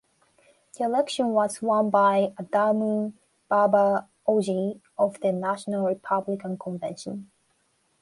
The election was won by Adamu Baba Augie of the National Republican Convention.